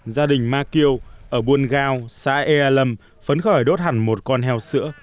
gia đình ma kiều ở buôn gao xã ea lâm phấn khởi đốt hẳn một con heo sữa